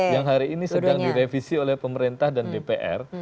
yang hari ini sedang direvisi oleh pemerintah dan dpr